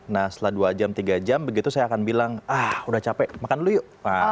nah setelah dua jam tiga jam begitu saya akan bilang ah udah capek makan dulu yuk